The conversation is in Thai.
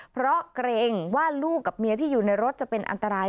เพราะเกรงว่าลูกกับเมียที่อยู่ในรถจะเป็นอันตราย